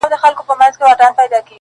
ستا د لپي په رڼو اوبو کي گراني ,